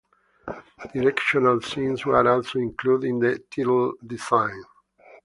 Directional signs were also included in the tile designs.